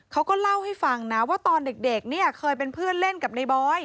เขาก็เล่าให้ฟังนะว่าตอนเด็กเนี่ยเคยเป็นเพื่อนเล่นกับในบอย